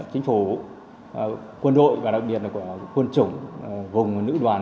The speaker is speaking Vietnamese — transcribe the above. chính phủ quân đội và đặc biệt là của quân chủng vùng nữ đoàn